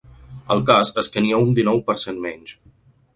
El cas és que n’hi ha un dinou per cent menys.